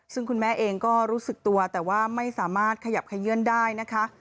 ซึ่งคุณแม่เองก็รู้สึกตัวแต่ว่าไม่สามารถขยับขยื่นได้นะคะ